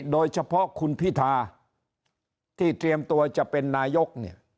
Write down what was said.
โดยเฉพาะคุณพิธาที่เตรียมตัวจะเป็นนายก